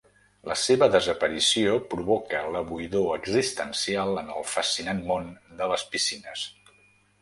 La seva desaparició provoca la buidor existencial en el fascinant món de les piscines.